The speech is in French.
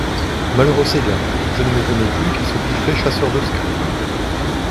Malheureux Séguin ! Je ne m'étonnais plus qu'il se fût fait chasseur de scalps.